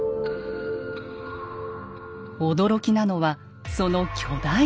驚きなのはその巨大さ。